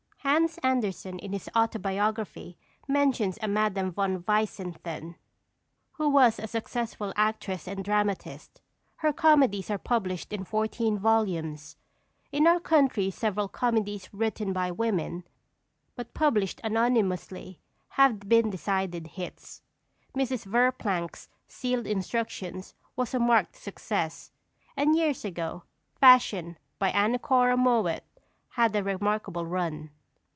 Hans Andersen in his Autobiography mentions a Madame von Weissenthurn, who was a successful actress and dramatist. Her comedies are published in fourteen volumes. In our country several comedies written by women, but published anonymously, have been decided hits. Mrs. Verplanck's Sealed Instructions was a marked success, and years ago Fashion, by Anna Cora Mowatt, had a remarkable run.